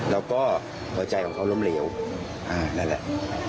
แล้วก็หัวใจของเขาล้มเหลวนั่นแหละ